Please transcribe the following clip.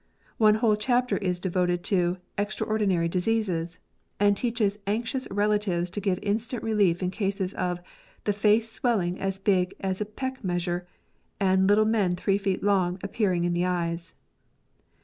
One whole chapter is devoted to ''Extraordinary Diseases," and teaches anxious relatives to give instant relief in cases of " the face swelling as big as a peck measure, and little men three feet long appearing in the eyes."